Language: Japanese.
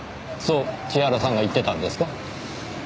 そう千原さんが言ってたんですか？